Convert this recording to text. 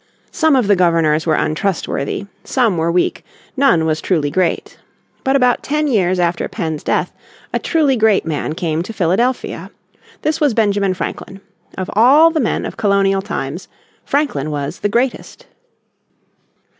Some of the Governors were untrustworthy, some were weak, none was truly great. But about ten years after Penn's death a truly great man came to Philadelphia. This was Benjamin Franklin. Of all the men of colonial times Franklin was the greatest.